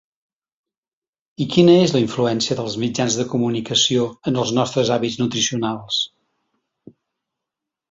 I quina és la influència dels mitjans de comunicació en els nostres hàbits nutricionals?